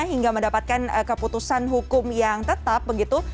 hingga mendapatkan keputusan hukum yang tetap begitu